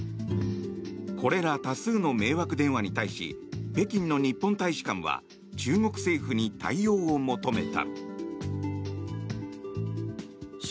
これら多数の迷惑電話に対し北京の日本大使館は中国政府に対応を求めた。